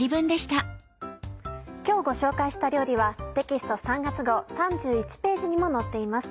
今日ご紹介した料理はテキスト３月号３１ページにも載っています。